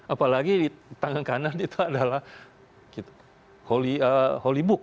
apalagi tangan kanan itu adalah holy book